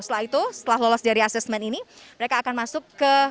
setelah itu setelah lolos dari asesmen ini mereka akan masuk ke